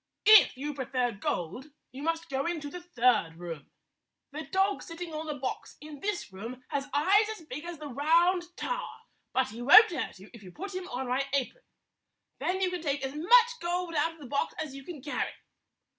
If you prefer gold, you must go into the third room. The dog sitting on the box in this room has eyes as big as the Round Tower, but he won't hurt you if you put him on my apron. Then you can take as much gold out of the box as you can carry."